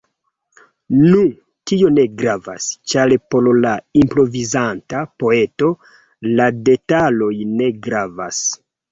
Nu, tio ne gravas, ĉar por la improvizanta poeto la detaloj ne gravas.